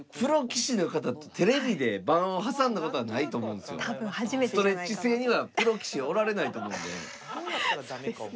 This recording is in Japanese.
ストレッチ星にはプロ棋士おられないと思うんでね。